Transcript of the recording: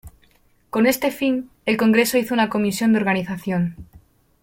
Con este fin, el Congreso hizo una comisión de organización.